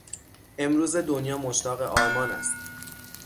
امروزه دنیا مشتاق آرمان است.